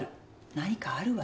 何かあるわよ。